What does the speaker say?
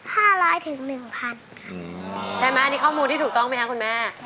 ใช่ไหมอันนี้ข้อมูลที่ถูกต้องไหมครับคุณแม่